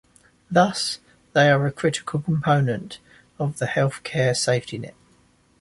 Thus, they are a critical component of the health care safety net.